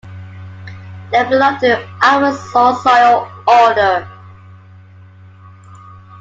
They belong to the Alfisol soil order.